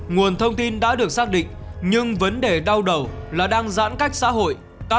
nguồn thông tin đã được xác định nhưng vấn đề đau đầu là đang giãn cách xã hội